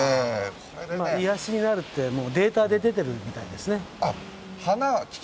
癒やしになるってデータで出てるみたいですね。